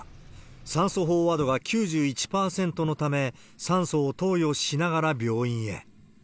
酸素飽和度が９１％のため、酸素を投与しながら病院へ。